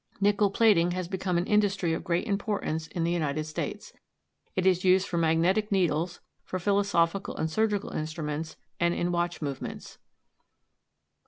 Nickel plating has become an industry of great importance in the United States. It is used for magnetic needles, for philosophical and surgical instruments, and in watch movements.